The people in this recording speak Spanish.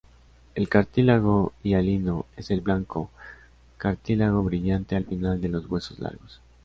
El cartílago hialino es el blanco, cartílago brillante al final de los huesos largos.